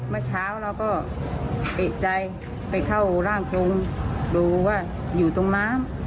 เมื่อเช้าเราก็เอกใจไปเข้าร่างทรงดูว่าอยู่ตรงน้ำ